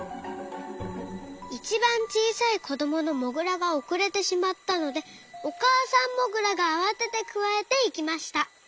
いちばんちいさいこどものモグラがおくれてしまったのでおかあさんモグラがあわててくわえていきました。